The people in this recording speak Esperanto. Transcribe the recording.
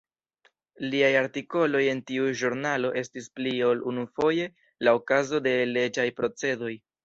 Liaj artikoloj en tiu ĵurnalo estis pli ol unufoje la okazo de leĝaj procedoj.